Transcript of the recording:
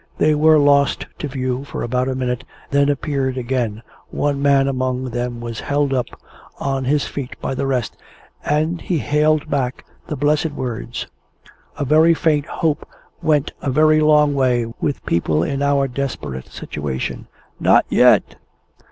They were lost to view for about a minute; then appeared again one man among them was held up on his feet by the rest, and he hailed back the blessed words (a very faint hope went a very long way with people in our desperate situation): "Not yet!"